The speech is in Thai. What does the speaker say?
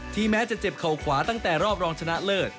แม้จะเจ็บเข่าขวาตั้งแต่รอบรองชนะเลิศ